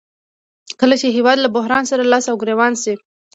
کله چې هېواد له بحران سره لاس او ګریوان شي